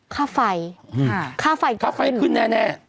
ค่าไฟค่าไฟขึ้นแน่